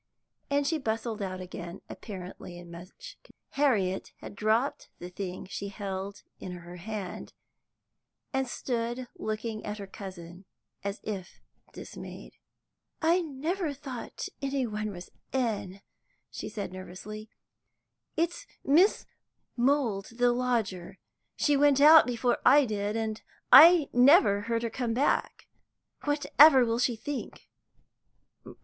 And she bustled out again, apparently in much confusion. Harriet had dropped the thing she held in her hand, and stood looking at her cousin as if dismayed. "I never thought any one was in," she said nervously. "It's Miss Mould, the lodger. She went out before I did, and I never heard her come back. Whatever will she think!"